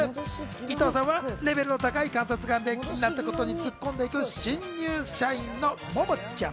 伊藤さんはレベルの高い観察眼で気になったことに突っ込んでいく新入社員のモモちゃん。